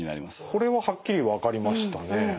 これははっきり分かりましたね。